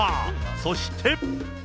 そして。